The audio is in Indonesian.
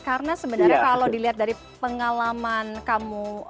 karena sebenarnya kalau dilihat dari pengalaman kamu